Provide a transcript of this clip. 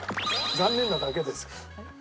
残念なだけです。